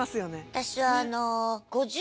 私は。